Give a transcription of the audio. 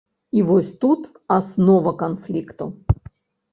І вось тут аснова канфлікту.